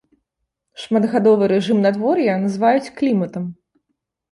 Шматгадовы рэжым надвор'я называюць кліматам.